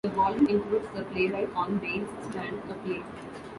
The volume includes the playwright "On Baile's Strand: A Play".